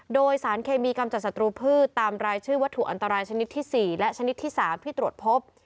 โดยสารเคมีกำจัดศัตรูพืชตามรายชื่อวัตถุอันตรายชนิดที่๔และชนิดที่๓ที่ตรวจพบ